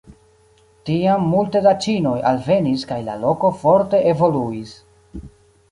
Tiam multe da ĉinoj alvenis kaj la loko forte evoluis.